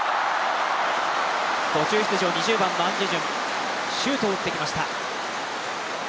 途中出場、２０番のアン・ジェジュン、シュートを打ってきました。